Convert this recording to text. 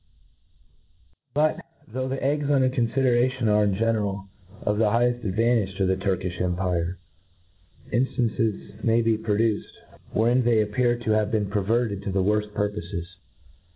But, though the eggs under confideration are in general ef the higheft advantage to the Turk* iQx empire, inftancts may be produced, wherein they appear to have been perverted to the worft purpofes.